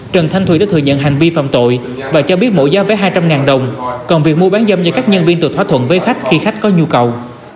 trần thanh thùy đã thừa nhận hành vi phạm tội và cho biết mỗi giá với hai trăm linh đồng còn việc mua bán giam do các nhân viên tự thỏa thuận với khách khi khách có nhu cầu